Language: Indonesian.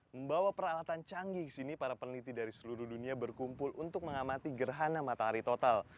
membawa peralatan canggih ke sini para peneliti dari seluruh dunia berkumpul untuk mengamati gerhana matahari total